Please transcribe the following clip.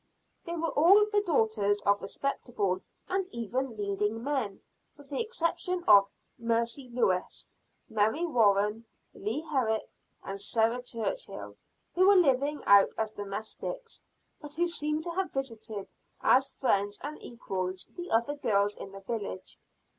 They were all the daughters of respectable and even leading men, with the exception of Mercy Lewis, Mary Warren, Leah Herrick and Sarah Churchhill, who were living out as domestics, but who seem to have visited as friends and equals the other girls in the village.